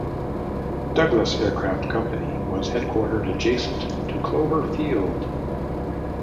Douglas Aircraft Company was headquartered adjacent to Clover Field.